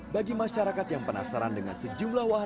bagi masyarakat yang penasaran dengan sejumlah wahana